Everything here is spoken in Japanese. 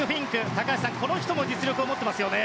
高橋さん、この人も実力を持っていますよね。